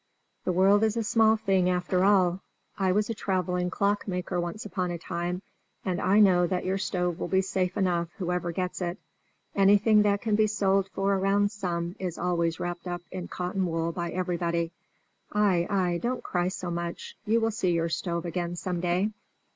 "The world is a small thing after all: I was a travelling clockmaker once upon a time, and I know that your stove will be safe enough whoever gets it; anything that can be sold for a round sum is always wrapped up in cotton wool by everybody. Ay, ay, don't cry so much; you will see your stove again some day."